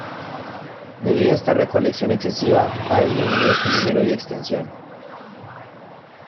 Debido a esta recolección excesiva ha disminuido su número y extensión.